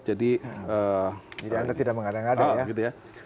jadi jadi anda tidak mengadang adang ya